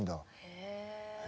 へえ。